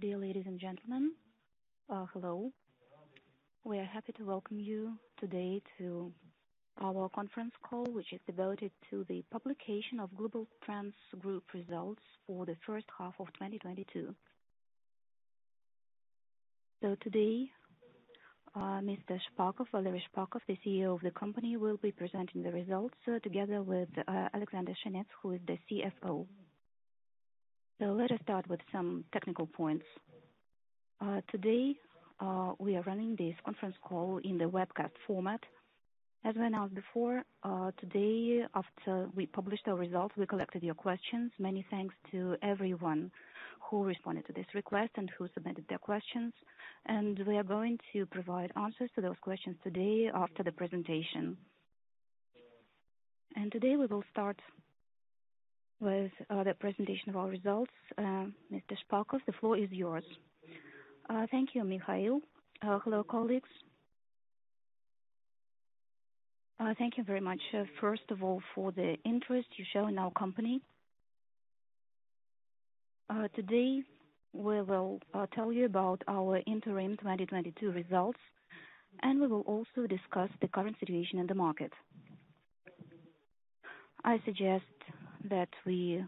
Dear ladies and gentlemen, hello. We are happy to welcome you today to our conference call, which is devoted to the publication of Globaltrans Group results for the first half of 2022. Today, Mr. Shpakov, Valery Shpakov, the CEO of the company, will be presenting the results, together with Alexander Shenets, who is the CFO. Let us start with some technical points. Today, we are running this conference call in the webcast format. As we announced before, today after we published our results, we collected your questions. Many thanks to everyone who responded to this request and who submitted their questions, and we are going to provide answers to those questions today after the presentation. Today we will start with the presentation of our results. Mr. Shpakov, the floor is yours. Thank you, Mikhail. Hello, colleagues. Thank you very much, first of all for the interest you show in our company. Today we will tell you about our interim 2022 results, and we will also discuss the current situation in the market. I suggest that we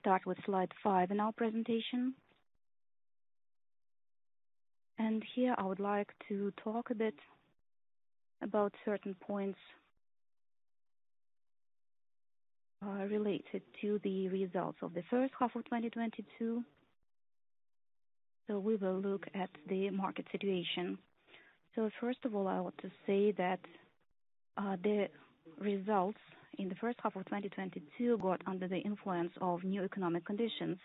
start with slide 5 in our presentation. Here I would like to talk a bit about certain points related to the results of the first half of 2022. We will look at the market situation. First of all, I want to say that the results in the first half of 2022 got under the influence of new economic conditions.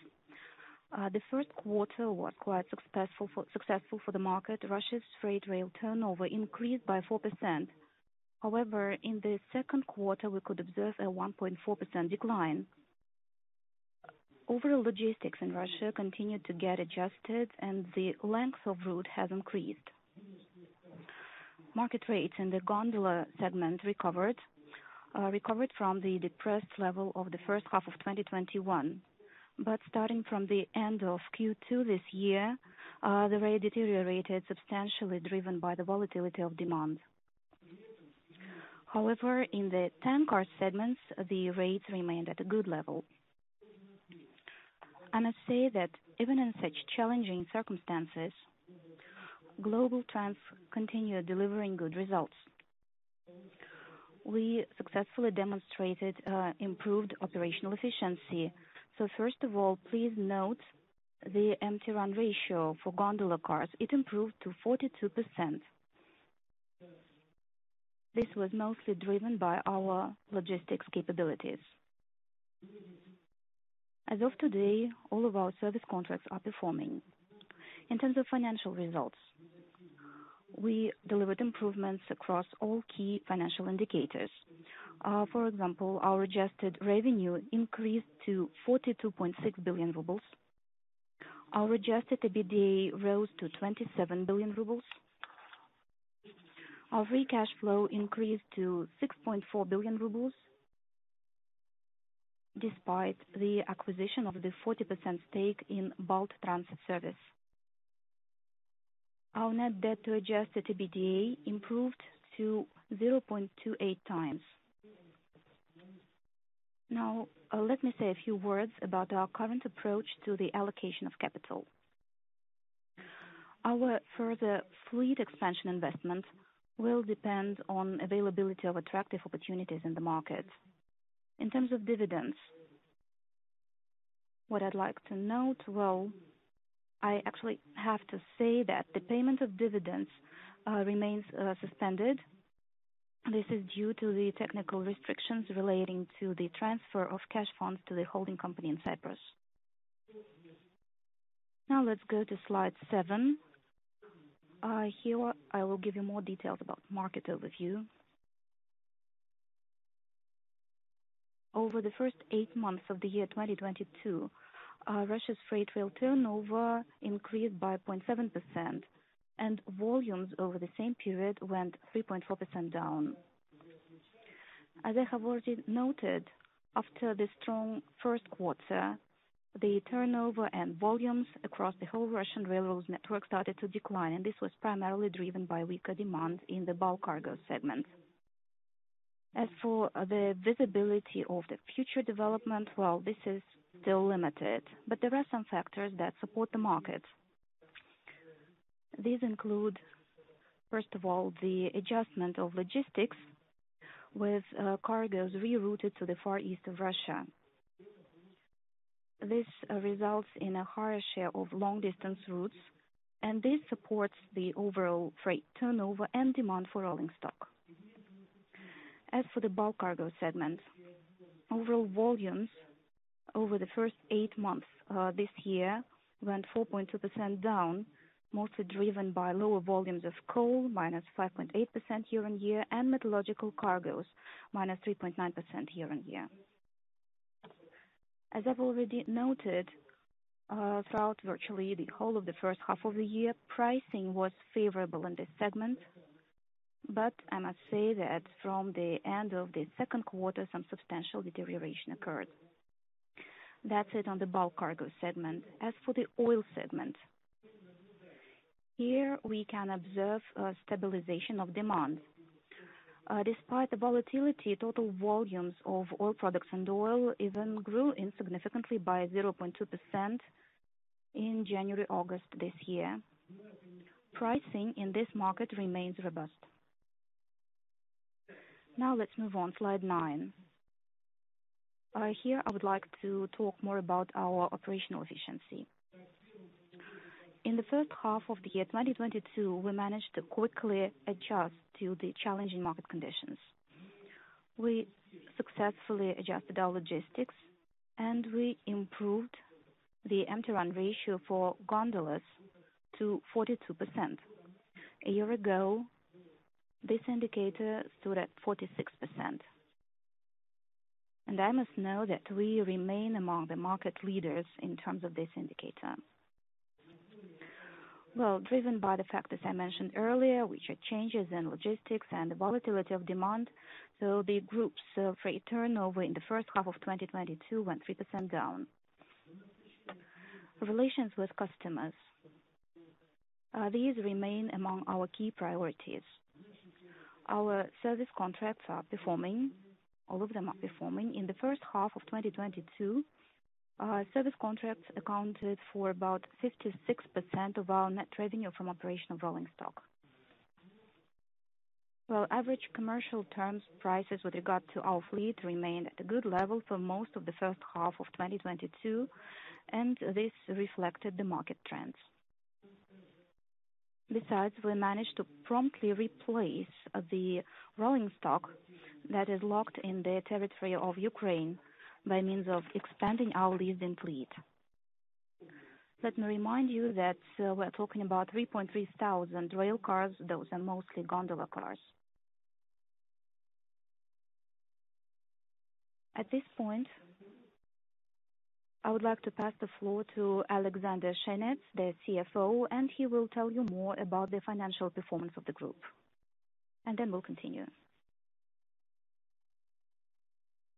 The Q1 was quite successful for the market. Russia's freight rail turnover increased by 4%. However, in the Q2, we could observe a 1.4% decline. Overall logistics in Russia continued to get adjusted, and the length of route has increased. Market rates in the gondola segment recovered from the depressed level of the first half of 2021. Starting from the end of Q2 this year, the rate deteriorated substantially, driven by the volatility of demand. However, in the tank car segments, the rates remained at a good level. I say that even in such challenging circumstances, Globaltrans continued delivering good results. We successfully demonstrated improved operational efficiency. First of all, please note the empty run ratio for gondola cars. It improved to 42%. This was mostly driven by our logistics capabilities. As of today, all of our service contracts are performing. In terms of financial results, we delivered improvements across all key financial indicators. For example, our adjusted revenue increased to 42.6 billion rubles. Our adjusted EBITDA rose to 27 billion rubles. Our free cash flow increased to 6.4 billion rubles, despite the acquisition of the 40% stake in BaltTransServis. Our net debt to adjusted EBITDA improved to 0.28x. Now, let me say a few words about our current approach to the allocation of capital. Our further fleet expansion investment will depend on availability of attractive opportunities in the market. In terms of dividends, what I'd like to note, well, I actually have to say that the payment of dividends remains suspended. This is due to the technical restrictions relating to the transfer of cash funds to the holding company in Cyprus. Now let's go to slide 7. Here I will give you more details about market overview. Over the first 8 months of the year 2022, Russia's freight rail turnover increased by 0.7%, and volumes over the same period went 3.4% down. As I have already noted, after the strong Q1, the turnover and volumes across the whole Russian Railways network started to decline, and this was primarily driven by weaker demand in the bulk cargo segment. As for the visibility of the future development, well, this is still limited, but there are some factors that support the market. These include, first of all, the adjustment of logistics with cargoes rerouted to the Far East of Russia. This results in a higher share of long-distance routes, and this supports the overall freight turnover and demand for rolling stock. As for the bulk cargo segment, overall volumes over the first eight months this year went 4.2% down, mostly driven by lower volumes of coal, minus 5.8% year-on-year, and metallurgical cargoes, minus 3.9% year-on-year. As I've already noted, throughout virtually the whole of the first half of the year, pricing was favorable in this segment. I must say that from the end of the Q2, some substantial deterioration occurred. That's it on the bulk cargo segment. As for the oil segment, here we can observe stabilization of demand. Despite the volatility, total volumes of oil products and oil even grew insignificantly by 0.2% in January-August this year. Pricing in this market remains robust. Now let's move on, slide nine. Here I would like to talk more about our operational efficiency. In the first half of the year 2022, we managed to quickly adjust to the challenging market conditions. We successfully adjusted our logistics, and we improved the Empty Run Ratio for gondolas to 42%. A year ago, this indicator stood at 46%. I must note that we remain among the market leaders in terms of this indicator. Driven by the fact, as I mentioned earlier, which are changes in logistics and the volatility of demand, the group's freight turnover in the first half of 2022 went 3% down. Relations with customers. These remain among our key priorities. Our service contracts are performing. All of them are performing. In the first half of 2022, service contracts accounted for about 56% of our net revenue from operation of rolling stock. Well, average commercial terms prices with regard to our fleet remained at a good level for most of the first half of 2022, and this reflected the market trends. Besides, we managed to promptly replace the rolling stock that is locked in the territory of Ukraine by means of expanding our leasing fleet. Let me remind you that, we're talking about 3,300 rail cars. Those are mostly gondola cars. At this point, I would like to pass the floor to Alexander Shenets, the CFO, and he will tell you more about the financial performance of the group, and then we'll continue.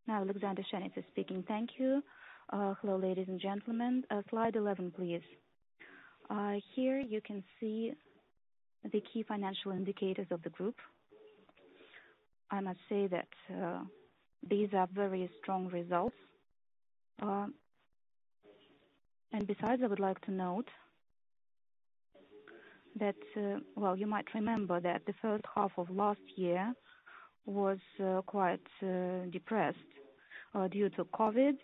Now Alexander Shenets is speaking. Thank you. Hello, ladies and gentlemen. Slide 11, please. Here you can see the key financial indicators of the group. I must say that these are very strong results. Besides, I would like to note that, well, you might remember that the first half of last year was quite depressed due to COVID.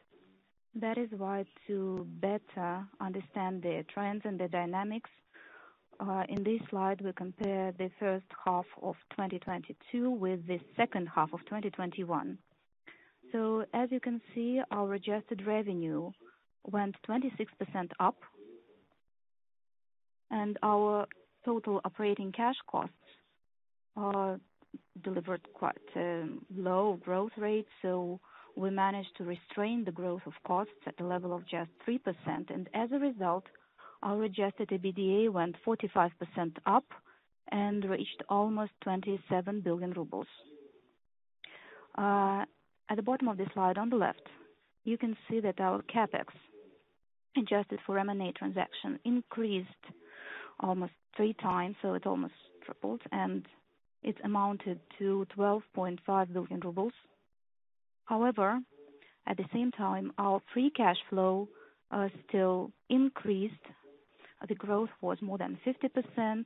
That is why to better understand the trends and the dynamics in this slide, we compare the first half of 2022 with the second half of 2021. As you can see, our adjusted revenue went 26% up, and our total operating cash costs delivered quite low growth rate. We managed to restrain the growth of costs at a level of just 3%, and as a result, our adjusted EBITDA went 45% up and reached almost 27 billion rubles. At the bottom of this slide, on the left, you can see that our CAPEX, adjusted for M&A transaction, increased almost three times, so it almost tripled, and it amounted to 12.5 billion rubles. However, at the same time, our free cash flow still increased. The growth was more than 50%,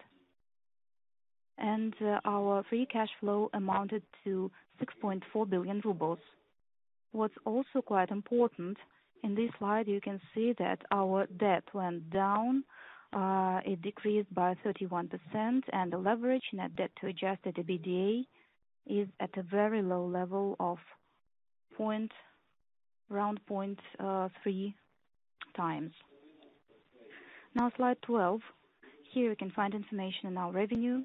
and our free cash flow amounted to 6.4 billion rubles. What's also quite important, in this slide you can see that our debt went down. It decreased by 31%, and the leverage, net debt to adjusted EBITDA, is at a very low level of around 0.3 times. Now slide 12. Here you can find information on our revenue.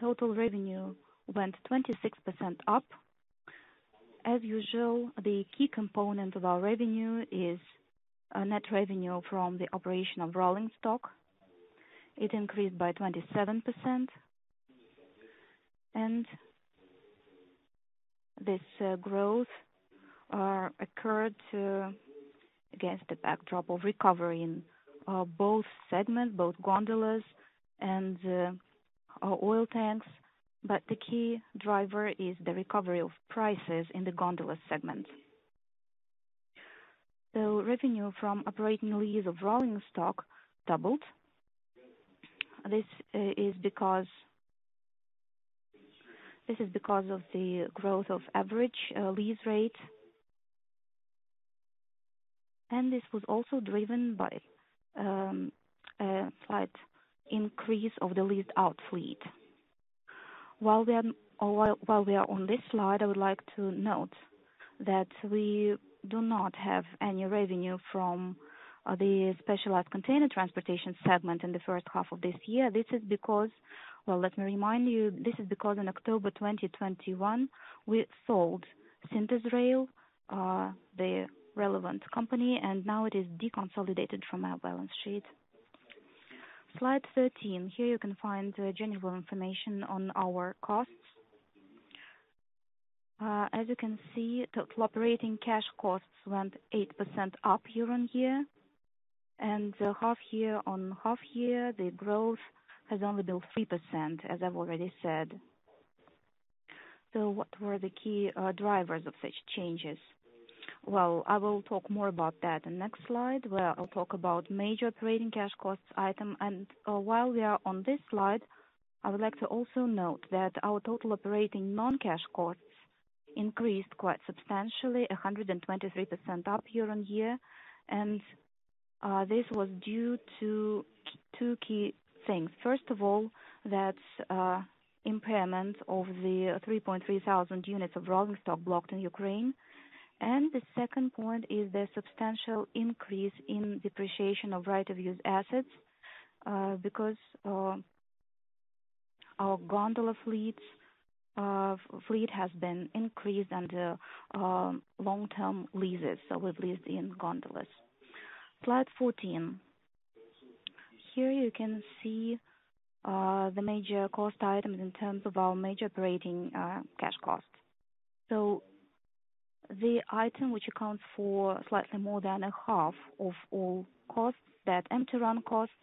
Total revenue went 26% up. As usual, the key component of our revenue is net revenue from the operation of rolling stock. It increased by 27%, and this growth occurred against the backdrop of recovery in both segments, both gondolas and our oil tanks, but the key driver is the recovery of prices in the gondola segment. Revenue from operating lease of rolling stock doubled. This is because of the growth of average lease rate. This was also driven by a slight increase of the leased-out fleet. While we are on this slide, I would like to note that we do not have any revenue from the specialized container transportation segment in the first half of this year. This is because, well, let me remind you, this is because in October 2021, we sold SyntezRail, the relevant company, and now it is deconsolidated from our balance sheet. Slide 13. Here you can find general information on our costs. As you can see, the operating cash costs went 8% up year-over-year, and half-year-over-half-year, the growth has only been 3%, as I've already said. What were the key drivers of such changes? Well, I will talk more about that in next slide, where I'll talk about major operating cash costs item. While we are on this slide, I would like to also note that our total operating non-cash costs increased quite substantially, 123% up year-over-year. This was due to two key things. First of all, that impairment of the 3,300 units of rolling stock blocked in Ukraine. The second point is the substantial increase in depreciation of right-of-use assets, because our gondola fleet has been increased under long-term leases, so we've leased in gondolas. Slide 14. Here you can see the major cost items in terms of our major operating cash costs. The item which accounts for slightly more than a half of all costs, that empty run costs.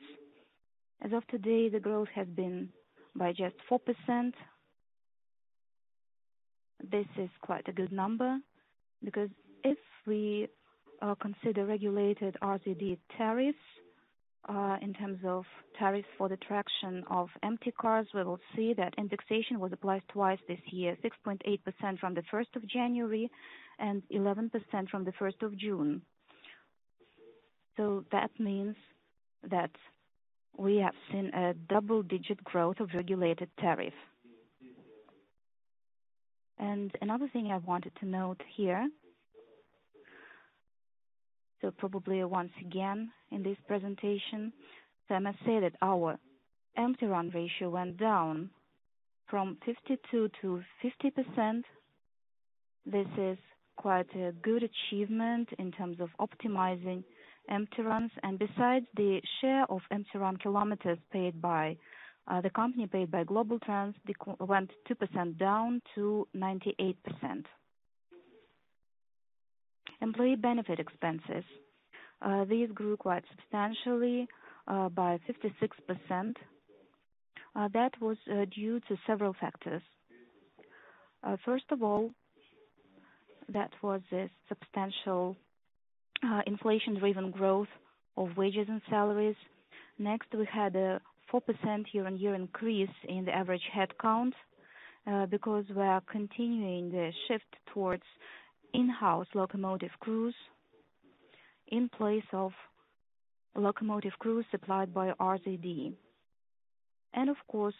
As of today, the growth has been by just 4%. This is quite a good number because if we consider regulated RZD tariffs in terms of tariffs for the traction of empty cars, we will see that indexation was applied twice this year, 6.8% from the first of January and 11% from the first of June. That means that we have seen a double-digit growth of regulated tariff. Another thing I wanted to note here, so probably once again in this presentation, so I must say that our empty run ratio went down from 52 to 50%. This is quite a good achievement in terms of optimizing empty runs. Besides, the share of empty run kilometers paid by the company paid by Globaltrans went 2% down to 98%. Employee benefit expenses. These grew quite substantially by 56%. That was due to several factors. First of all, that was a substantial inflation-driven growth of wages and salaries. Next, we had a 4% year-on-year increase in the average headcount, because we are continuing the shift towards in-house locomotive crews in place of locomotive crews supplied by RZD. Of course,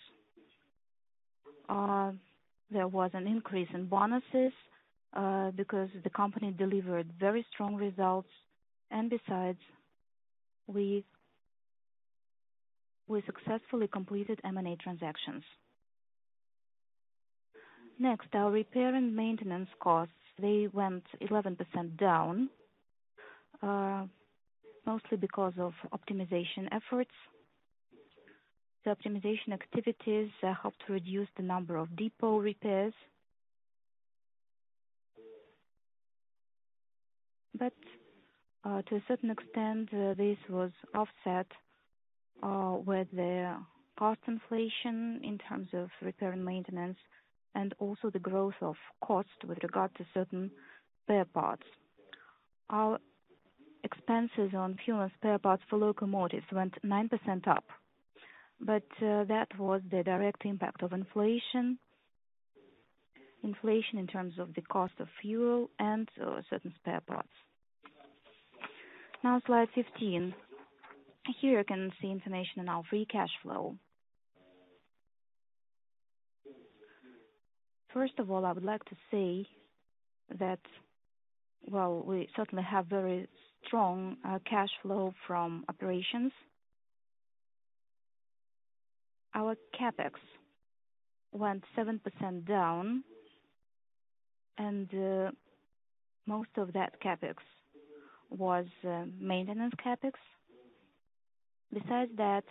there was an increase in bonuses because the company delivered very strong results, and besides, we successfully completed M&A transactions. Next, our repair and maintenance costs, they went 11% down, mostly because of optimization efforts. The optimization activities helped reduce the number of depot repairs. To a certain extent, this was offset with the cost inflation in terms of repair and maintenance and also the growth of cost with regard to certain spare parts. Our expenses on fuel and spare parts for locomotives went 9% up, but that was the direct impact of inflation in terms of the cost of fuel and certain spare parts. Now slide 15. Here you can see information on our free cash flow. First of all, I would like to say that while we certainly have very strong cash flow from operations, our CapEx went 7% down, and most of that CapEx was maintenance CapEx. Besides that,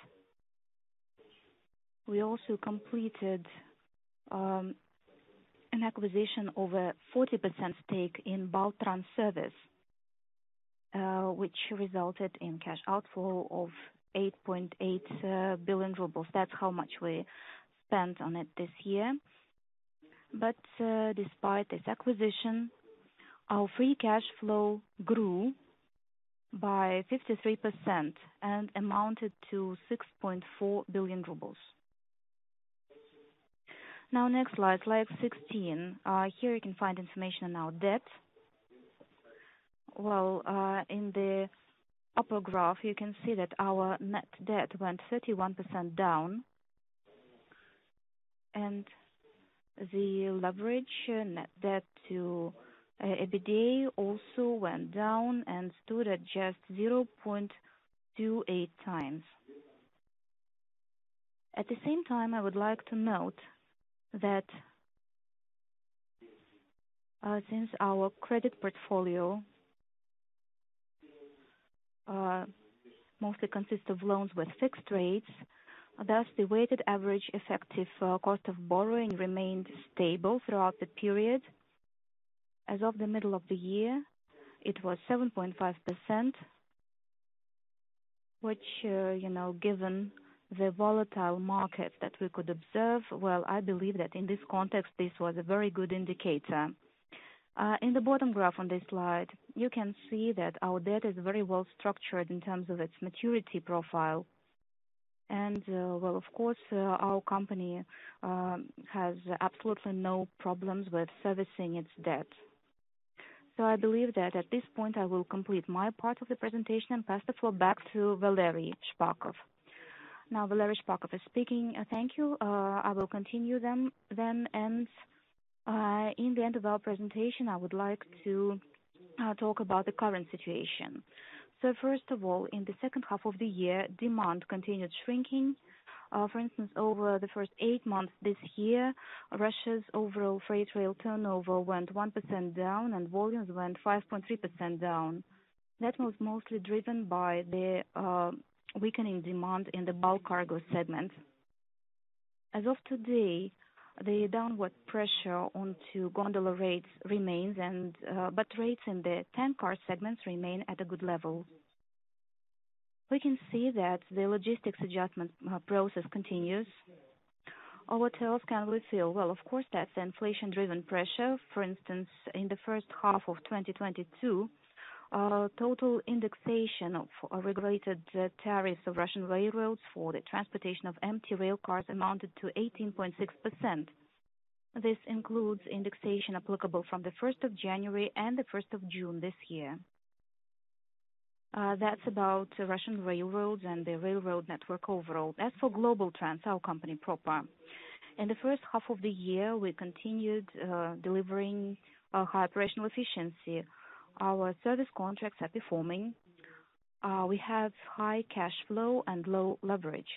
we also completed an acquisition of a 40% stake in BaltTransServis, which resulted in cash outflow of 8.8 billion rubles. That's how much we spent on it this year. Despite this acquisition, our free cash flow grew by 53% and amounted to 6.4 billion rubles. Now next slide 16. Here you can find information on our debt. In the upper graph, you can see that our net debt went 31% down, and the leverage net debt to EBITDA also went down and stood at just 0.28 times. At the same time, I would like to note that since our credit portfolio mostly consist of loans with fixed rates. Thus, the weighted average effective cost of borrowing remained stable throughout the period. As of the middle of the year, it was 7.5%, which you know, given the volatile market that we could observe, I believe that in this context, this was a very good indicator. In the bottom graph on this slide, you can see that our debt is very well structured in terms of its maturity profile. Of course, our company has absolutely no problems with servicing its debt. I believe that at this point I will complete my part of the presentation and pass the floor back to Valery Shpakov. Now Valery Shpakov is speaking. Thank you. I will continue then and in the end of our presentation, I would like to talk about the current situation. First of all, in the second half of the year, demand continued shrinking. For instance, over the first eight months this year, Russia's overall freight rail turnover went 1% down and volumes went 5.3% down. That was mostly driven by the weakening demand in the bulk cargo segment. As of today, the downward pressure onto gondola rates remains and but rates in the tank car segments remain at a good level. We can see that the logistics adjustment process continues. What else can we feel? Well, of course, that's inflation driven pressure. For instance, in the first half of 2022, total indexation of regulated tariffs of Russian Railways for the transportation of empty rail cars amounted to 18.6%. This includes indexation applicable from January 1 and June 1 this year. That's about Russian Railways and the railway network overall. As for Globaltrans, our company proper. In the first half of the year, we continued delivering a high operational efficiency. Our service contracts are performing. We have high cash flow and low leverage.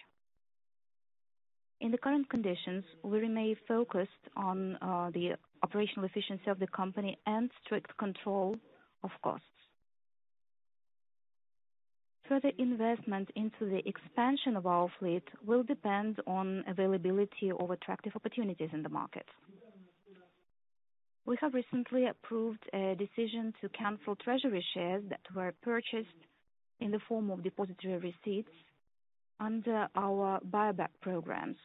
In the current conditions, we remain focused on the operational efficiency of the company and strict control of costs. Further investment into the expansion of our fleet will depend on availability of attractive opportunities in the market. We have recently approved a decision to cancel treasury shares that were purchased in the form of depositary receipts under our buyback programs.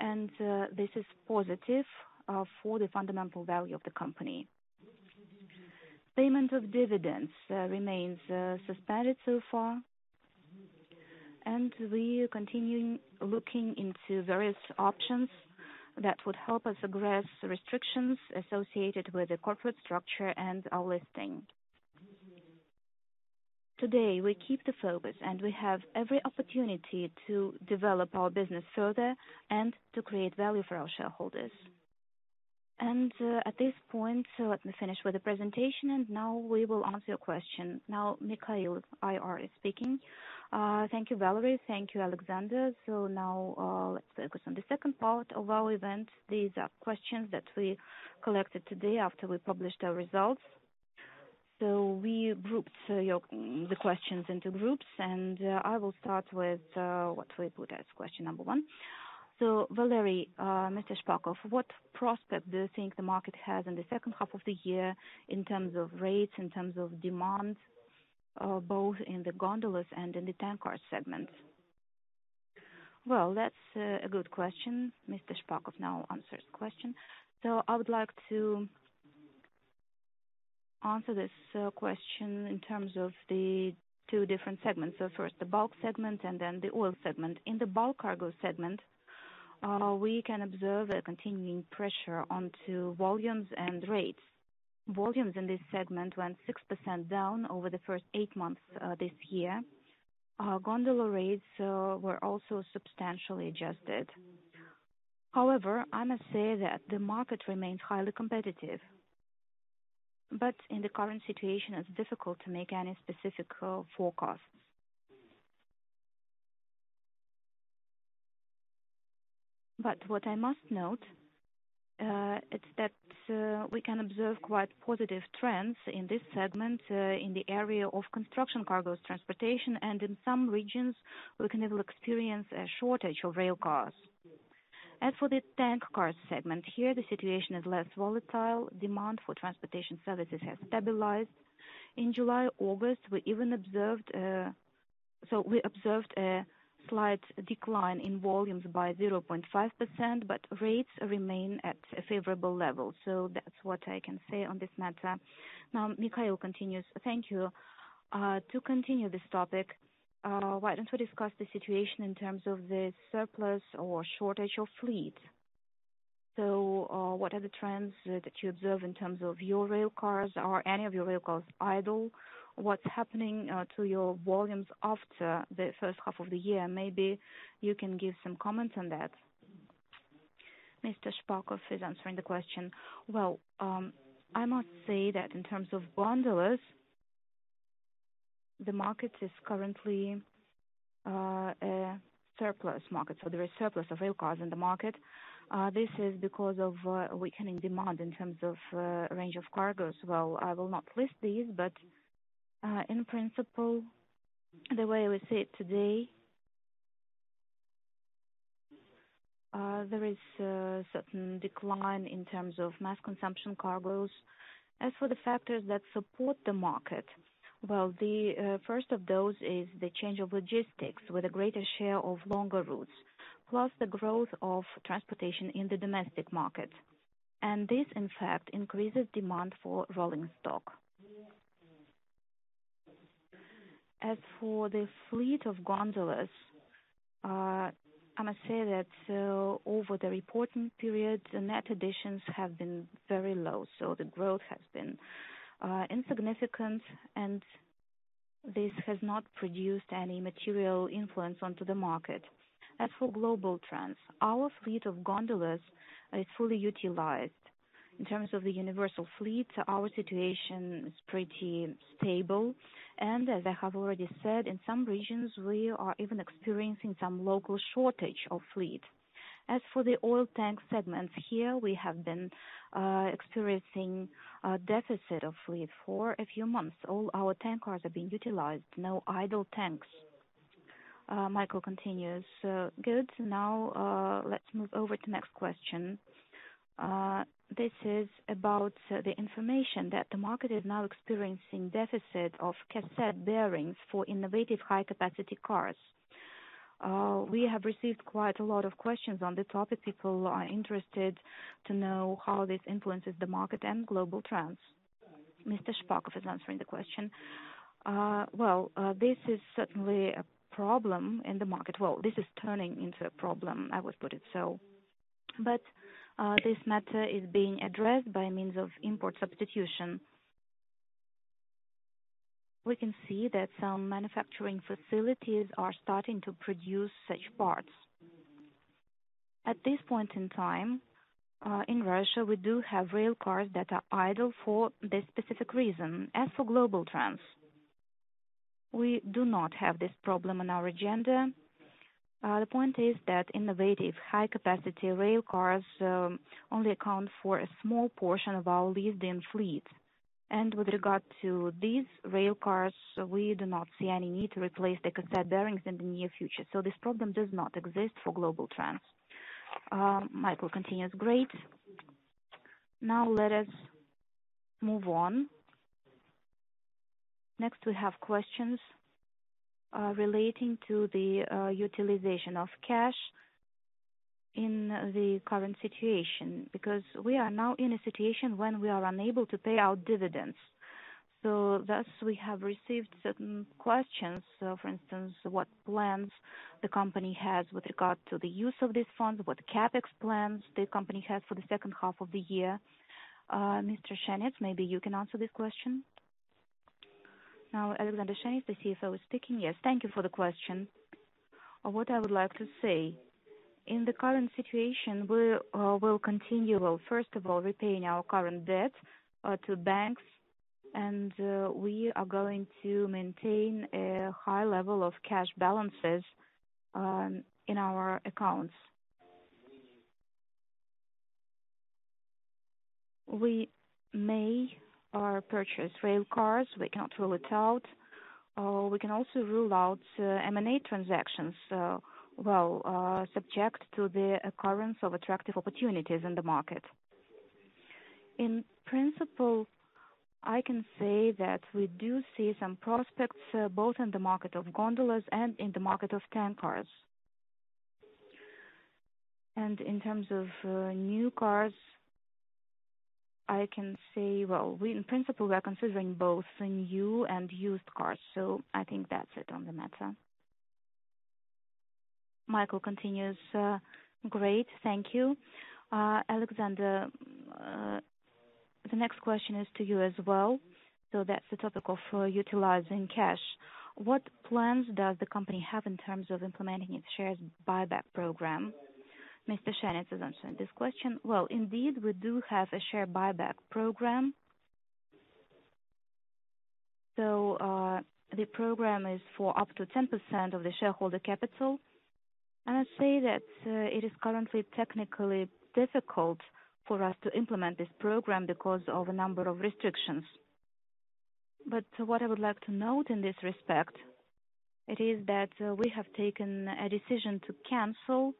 This is positive for the fundamental value of the company. Payment of dividends remains suspended so far, and we continue looking into various options that would help us address restrictions associated with the corporate structure and our listing. Today, we keep the focus, and we have every opportunity to develop our business further and to create value for our shareholders. At this point, let me finish with the presentation and now we will answer your question. Now, Mikhail IR is speaking. Thank you, Valery. Thank you, Alexander. Now, let's focus on the second part of our event. These are questions that we collected today after we published our results. We grouped your, the questions into groups, and I will start with what we put as question number one. Valery Shpakov, what prospect do you think the market has in the second half of the year in terms of rates, in terms of demand, both in the gondolas and in the tank car segments? Well, that's a good question. Mr. Shpakov now answers the question. I would like to answer this question in terms of the two different segments. First, the bulk segment and then the oil segment. In the bulk cargo segment, we can observe a continuing pressure onto volumes and rates. Volumes in this segment went 6% down over the first 8 months this year. Gondola rates were also substantially adjusted. However, I must say that the market remains highly competitive. In the current situation, it's difficult to make any specific forecast. What I must note, it's that we can observe quite positive trends in this segment, in the area of construction cargoes transportation, and in some regions we can even experience a shortage of rail cars. As for the tank car segment, here the situation is less volatile. Demand for transportation services has stabilized. In July, August, we observed a slight decline in volumes by 0.5%, but rates remain at a favorable level. That's what I can say on this matter. Now, Mikhail continues. Thank you. To continue this topic, why don't we discuss the situation in terms of the surplus or shortage of fleet? What are the trends that you observe in terms of your rail cars? Are any of your rail cars idle? What's happening to your volumes after the first half of the year? Maybe you can give some comments on that. Mr. Shpakov is answering the question. Well, I must say that in terms of gondolas, the market is currently a surplus market. So, there is surplus of rail cars in the market. This is because of weakening demand in terms of range of cargos. Well, I will not list these, but in principle, the way we see it today, there is a certain decline in terms of mass consumption cargos. As for the factors that support the market, well, the first of those is the change of logistics with a greater share of longer routes, plus the growth of transportation in the domestic market. This, in fact, increases demand for rolling stock. As for the fleet of gondolas, I must say that, over the reporting period, the net additions have been very low, so the growth has been, insignificant, and this has not produced any material influence onto the market. As for Globaltrans, our fleet of gondolas is fully utilized. In terms of the universal fleet, our situation is pretty stable, and as I have already said, in some regions we are even experiencing some local shortage of fleet. As for the oil tank segment, here we have been, experiencing a deficit of fleet for a few months. All our tank cars are being utilized. No idle tanks. Mikhail continues. Good. Now, let's move over to next question. This is about, the information that the market is now experiencing deficit of cassette bearings for innovative high-capacity cars. We have received quite a lot of questions on the topic. People are interested to know how this influences the market and Globaltrans. Mr. Shpakov is answering the question. This is certainly a problem in the market. This is turning into a problem; I would put it so. This matter is being addressed by means of import substitution. We can see that some manufacturing facilities are starting to produce such parts. At this point in time, in Russia, we do have rail cars that are idle for this specific reason. As for Globaltrans, we do not have this problem on our agenda. The point is that innovative high-capacity rail cars only account for a small portion of our leased-in fleet. With regard to these rail cars, we do not see any need to replace the cassette bearings in the near future. This problem does not exist for Globaltrans. Great. Now let us move on. Next, we have questions relating to the utilization of cash in the current situation because we are now in a situation when we are unable to pay out dividends. Thus, we have received certain questions. For instance, what plans the company has with regard to the use of these funds, what CapEx plans the company has for the second half of the year. Mr. Shenets, maybe you can answer this question. Yes. Thank you for the question. What I would like to say, in the current situation, we will continue, well, first of all, repaying our current debt to banks and we are going to maintain a high level of cash balances in our accounts. We may purchase rail cars. We cannot rule it out. We can also rule out M&A transactions, well, subject to the occurrence of attractive opportunities in the market. In principle, I can say that we do see some prospects both in the market of gondolas and in the market of tank cars. In terms of new cars, I can say, well, in principle, we are considering both new and used cars. I think that's it on the matter. Mikhail continues. Great. Thank you. Alexander, the next question is to you as well. That's the topic of utilizing cash. What plans does the company have in terms of implementing its shares buyback program? Mr. Shenets is answering this question. Well, indeed, we do have a share buyback program. The program is for up to 10% of the shareholder capital. I say that it is currently technically difficult for us to implement this program because of a number of restrictions. What I would like to note in this respect, it is that we have taken a decision to cancel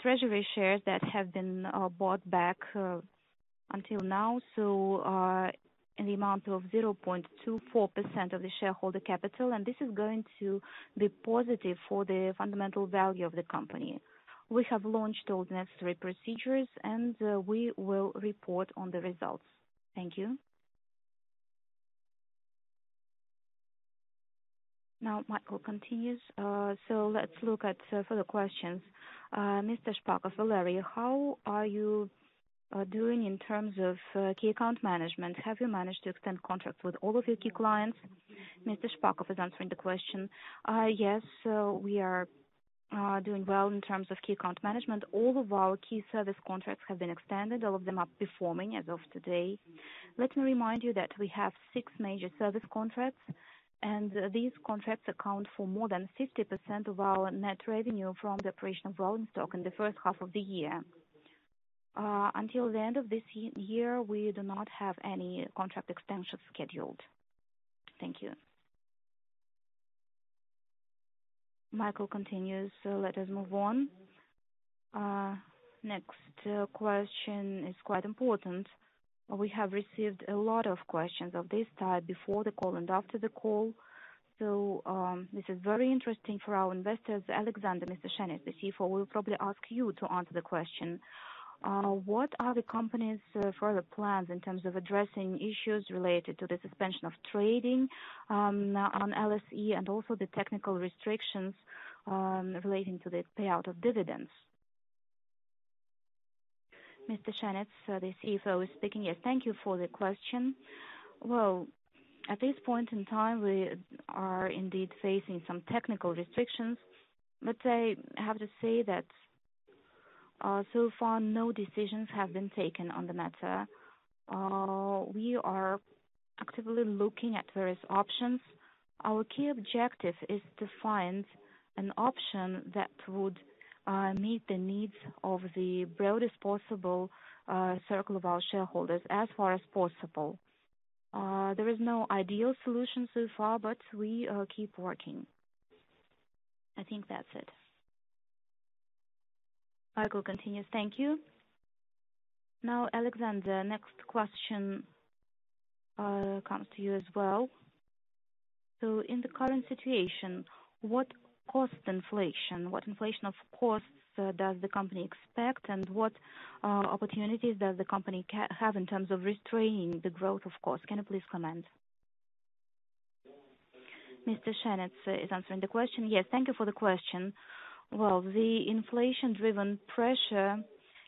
treasury shares that have been bought back until now, so in the amount of 0.24% of the shareholder capital, and this is going to be positive for the fundamental value of the company. We have launched all the necessary procedures, and we will report on the results. Thank you. Now, Mikhail continues. Let's look at further questions. Mr. Shpakov, Valery, how are you doing in terms of key account management? Have you managed to extend contracts with all of your key clients? Mr. Shpakov is answering the question. Yes, we are doing well in terms of key account management. All of our key service contracts have been extended. All of them are performing as of today. Let me remind you that we have six major service contracts, and these contracts account for more than 50% of our net revenue from the operation of rolling stock in the first half of the year. Until the end of this year, we do not have any contract extensions scheduled. Thank you. Mikhail continues. Let us move on. Next question is quite important. We have received a lot of questions of this type before the call and after the call. This is very interesting for our investors. Alexander, Mr. Shenets, the CFO, we'll probably ask you to answer the question. What are the company's further plans in terms of addressing issues related to the suspension of trading on LSE and also the technical restrictions relating to the payout of dividends? Mr. Shenets, the CFO is speaking. Yes, thank you for the question. Well, at this point in time, we are indeed facing some technical restrictions. I have to say that, so far, no decisions have been taken on the matter. We are actively looking at various options. Our key objective is to find an option that would meet the needs of the broadest possible circle of our shareholders as far as possible. There is no ideal solution so far, but we keep working. I think that's it. Mikhail continues. Thank you. Now, Alexander, next question comes to you as well. So in the current situation, what inflation of costs does the company expect? And what opportunities does the company have in terms of restraining the growth of costs? Can you please comment? Mr. Shenets is answering the question. Yes. Thank you for the question. Well, the inflation-driven pressure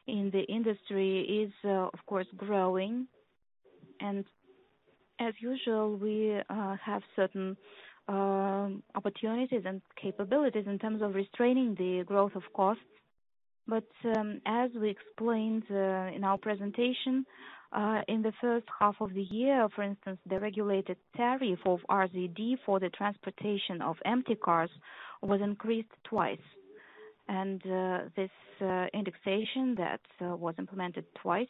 in the industry is, of course, growing. And as usual, we have certain opportunities and capabilities in terms of restraining the growth of costs. As we explained in our presentation, in the first half of the year, for instance, the regulated tariff of RZD for the transportation of empty cars was increased twice. This indexation that was implemented twice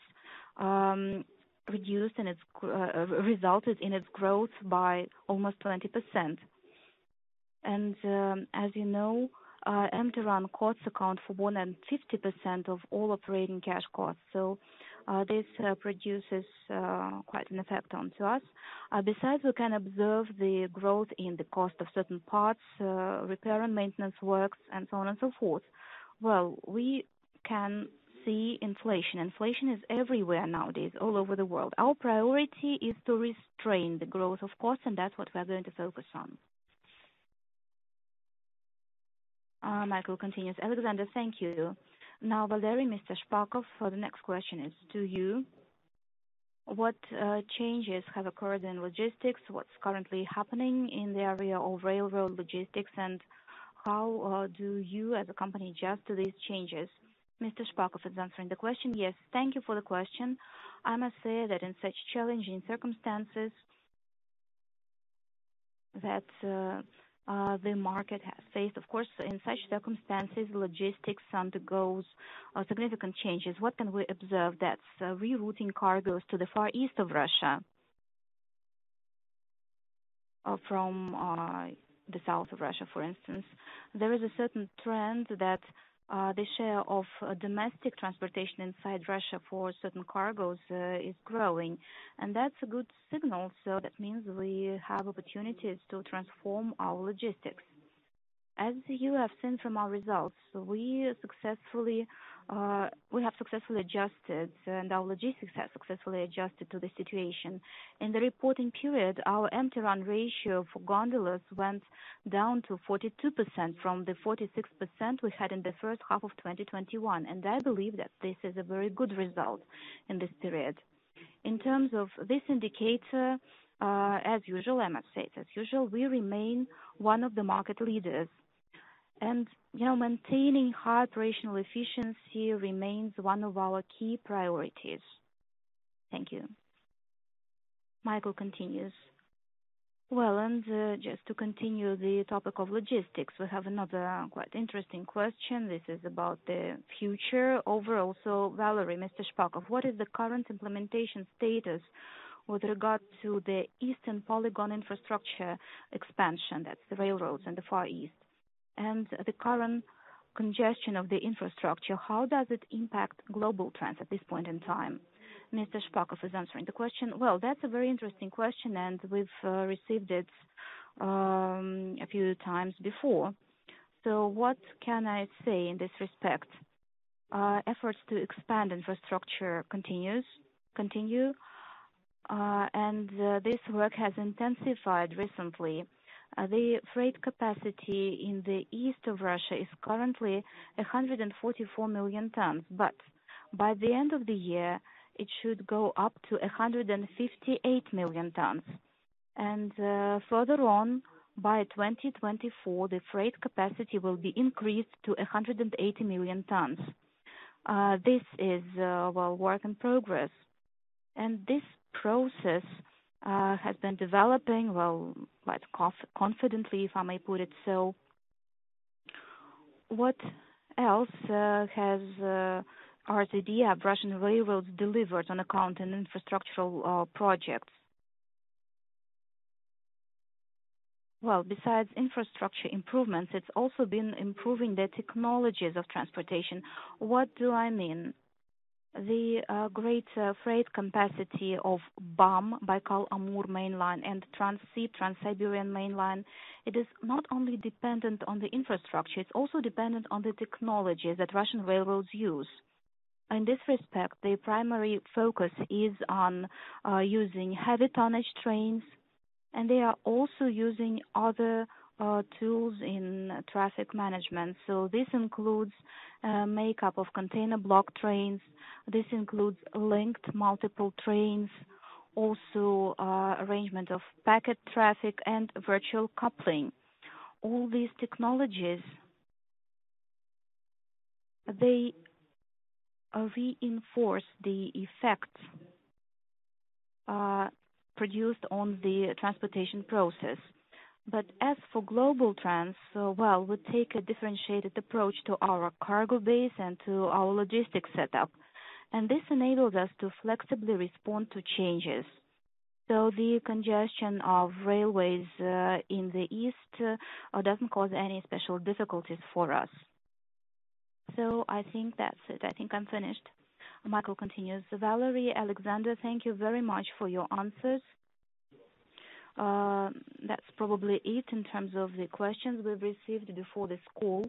resulted in its growth by almost 20%. As you know, empty run costs account for more than 50% of all operating cash costs. This produces quite an effect onto us. Besides, we can observe the growth in the cost of certain parts, repair and maintenance works, and so on and so forth. Well, we can see inflation. Inflation is everywhere nowadays, all over the world. Our priority is to restrain the growth of costs, and that's what we are going to focus on. Mikhail continues. Alexander, thank you. Now, Valery Shpakov, for the next question is to you. What changes have occurred in logistics? What's currently happening in the area of railroad logistics, and how do you as a company adjust to these changes? Mr. Shpakov is answering the question. Yes. Thank you for the question. I must say that in such challenging circumstances that the market has faced, of course, in such circumstances, logistics undergoes significant changes. What can we observe? That's rerouting cargos to the Far East of Russia from the south of Russia, for instance. There is a certain trend that the share of domestic transportation inside Russia for certain cargos is growing, and that's a good signal. That means we have opportunities to transform our logistics. As you have seen from our results, we have successfully adjusted, and our logistics has successfully adjusted to the situation. In the reporting period, our empty run ratio for gondolas went down to 42% from the 46% we had in the first half of 2021. I believe that this is a very good result in this period. In terms of this indicator, as usual, I must say, as usual, we remain one of the market leaders. You know, maintaining high operational efficiency remains one of our key priorities. Thank you. Mikhail continues. Just to continue the topic of logistics, we have another quite interesting question. This is about the future overall. Valery Shpakov, what is the current implementation status with regard to the Eastern Polygon infrastructure expansion? That's the railroads in the Far East. The current congestion of the infrastructure, how does it impact Globaltrans at this point in time? Mr. Shpakov is answering the question. Well, that's a very interesting question, and we've received it a few times before. So what can I say in this respect? Efforts to expand infrastructure continue. This work has intensified recently. The freight capacity in the east of Russia is currently 144 million tons, but by the end of the year, it should go up to 158 million tons. Further on by 2024, the freight capacity will be increased to 180 million tons. This is work in progress. This process has been developing well, quite confidently, if I may put it so. What else has RZD, Russian Railways delivered on account in infrastructure projects? Well, besides infrastructure improvements, it's also been improving the technologies of transportation. What do I mean? The great freight capacity of BAM, Baikal-Amur Mainline, and Transsib, Trans-Siberian Mainline, it is not only dependent on the infrastructure, it's also dependent on the technology that Russian railroads use. In this respect, their primary focus is on using heavy tonnage trains, and they are also using other tools in traffic management. This includes makeup of container block trains. This includes linked multiple trains, also, arrangement of packet traffic and virtual coupling. All these technologies, they reinforce the effect produced on the transportation process. As for global trends, well, we take a differentiated approach to our cargo base and to our logistics setup. This enables us to flexibly respond to changes. The congestion of railways in the east doesn't cause any special difficulties for us. I think that's it. I think I'm finished. Mikhail continues. Valery, Alexander, thank you very much for your answers. That's probably it in terms of the questions we've received before this call.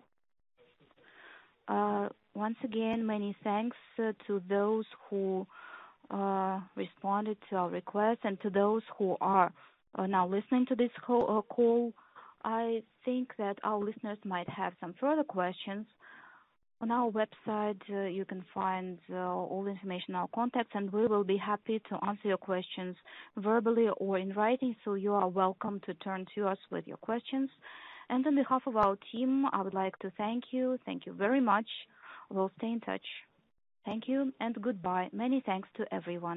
Once again, many thanks to those who responded to our request and to those who are now listening to this call. I think that our listeners might have some further questions. On our website, you can find all information on our contacts, and we will be happy to answer your questions verbally or in writing, so you are welcome to turn to us with your questions. On behalf of our team, I would like to thank you, thank you very much. We'll stay in touch. Thank you and goodbye. Many thanks to everyone.